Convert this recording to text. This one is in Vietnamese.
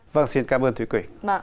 vâng xin cảm ơn thúy quỳnh